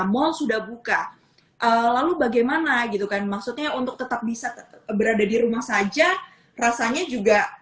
mall sudah buka lalu bagaimana gitu kan maksudnya untuk tetap bisa berada di rumah saja rasanya juga